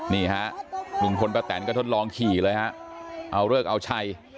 นี่ฮะลุงพลป้าแตนก็ทดลองขี่เลยฮะเอาเลิกเอาชัย